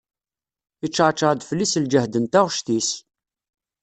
Yeččaɛčaɛ-d fell-i s lǧehd n taɣect-is.